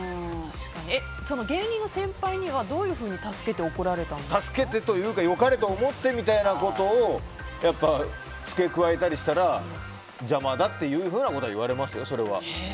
芸人の先輩にはどんなふうに助けて良かれと思ってみたいなことを付け加えたりしたら邪魔だっていうふうなことは言われますよ。